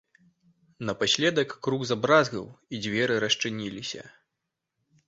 Напаследак крук забразгаў і дзверы расчыніліся.